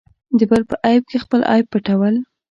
د بل په عیب کې خپل عیب پټول.